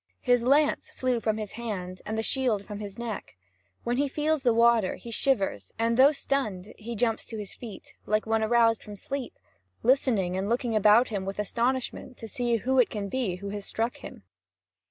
His lance flew from his hand and the shield from his neck. When he feels the water, he shivers, and though stunned, he jumps to his feet, like one aroused from sleep, listening and looking about him with astonishment, to see who it can be who has struck him.